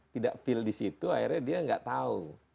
tidak feel disitu akhirnya dia gak tau